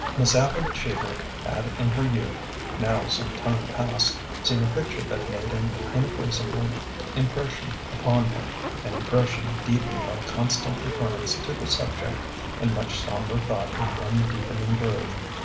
Miss Abby Cheever had in her youth, now some time past, seen a picture that made an ineffaceable impression upon her— an impression deepened by constant recurrence to the subject and much somber thought in one deepen ing groove.